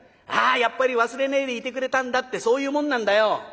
ああやっぱり忘れねえでいてくれたんだってそういうもんなんだよ。